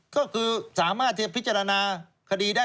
ก็คือสามารถพิจารณาคดีได้